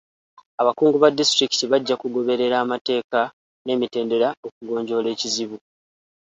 Abakungu ba disitulikiti bajja kugoberera amateeka n'emitendera okugonjoola ekizibu.